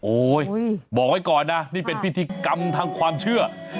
บอกไว้ก่อนนะนี่เป็นพิธีกรรมทางความเชื่อ